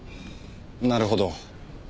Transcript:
なるほど。